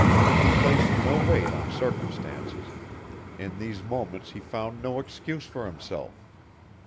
He placed no weight on circumstances; in these moments he found no excuse for himself.